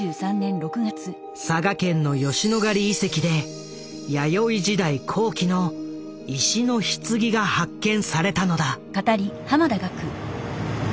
佐賀県の吉野ヶ里遺跡で弥生時代後期の石のひつぎが発見されたのだ。